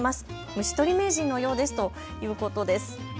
虫取り名人のようですということです。